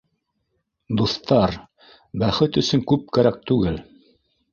Дуҫтар, бәхет өсөн күп кәрәк түгел.